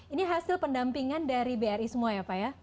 ini hasil pendampingan dari bri semua ya pak ya